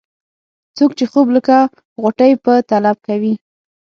څوک چې خوب لکه غوټۍ په طلب کوي.